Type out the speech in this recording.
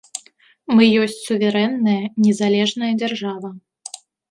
Мы ёсць суверэнная, незалежная дзяржава.